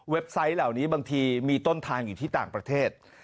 ไซต์เหล่านี้บางทีมีต้นทางอยู่ที่ต่างประเทศ